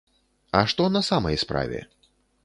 А што на самай справе?